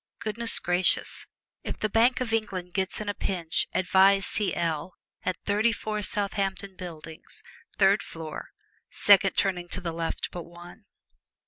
Goodness gracious, if the Bank of England gets in a pinch advise C.L., at Thirty four Southampton Buildings, third floor, second turning to the left but one.